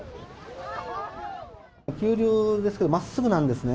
急流ですけど、まっすぐなんですね。